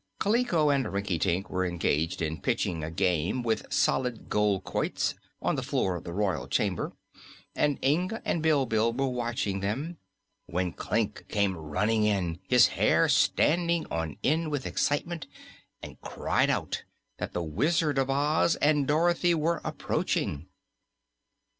Kaliko and Rinkitink were engaged in pitching a game with solid gold quoits, on the floor of the royal chamber, and Inga and Bilbil were watching them, when Klik came running in, his hair standing on end with excitement, and cried out that the Wizard of Oz and Dorothy were approaching.